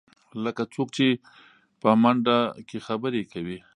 لکه څوک چې په منډه کې خبرې کوې.